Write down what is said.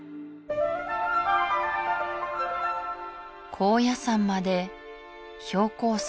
高野山まで標高差